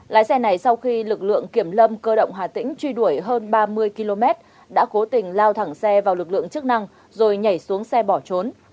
lái xe này sau khi lực lượng kiểm lâm cơ động hà tĩnh truy đuổi hơn ba mươi km đã cố tình lao thẳng xe vào lực lượng chức năng rồi nhảy xuống xe bỏ trốn